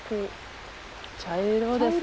茶色ですね。